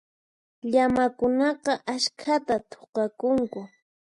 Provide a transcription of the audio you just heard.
Llamakunaqa askhata thuqakunku.